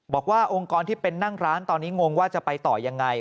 บอกว่าองค์กรที่เป็นนั่งร้านตอนนี้งงว่าจะไปต่อยังไง